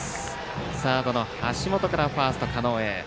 サードの橋本からファースト狩野へ。